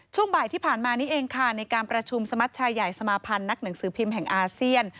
ช่วงบ่ายที่ผ่านมานี้เองค่ะในการประชุมสมัชชายใหญ่สมาพันธ์นักหนังสือพิมพ์แห่งอาเซียน